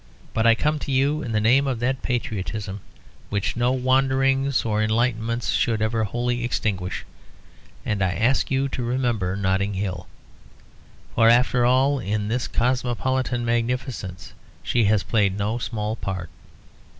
But I come to you in the name of that patriotism which no wanderings or enlightenments should ever wholly extinguish, and I ask you to remember Notting Hill. For, after all, in this cosmopolitan magnificence, she has played no small part.